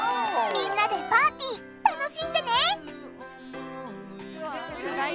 みんなでパーティー楽しんでね！